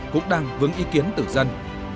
cũng đang vướng ý kiến tự dân